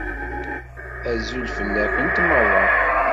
Azul fell-akent meṛṛa.